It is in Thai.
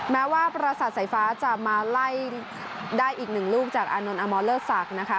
แม้ว่าประสาทสายฟ้าจะมาไล่ได้อีกหนึ่งลูกจากอานนท์อมอลเลอร์ศักดิ์นะคะ